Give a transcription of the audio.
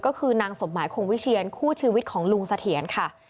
ก็คือนางสมหมายคงวิเชียนคู่ชีวิตของลุงเสถียรค่ะ